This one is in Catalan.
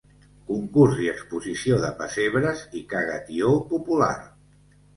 Concurs i exposició de pessebres i caga tió popular.